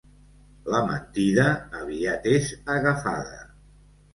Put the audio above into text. La mentida aviat és agafada.